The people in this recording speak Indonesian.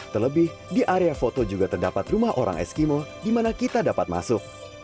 terlebih di area foto juga terdapat rumah orang eskimo di mana kita dapat masuk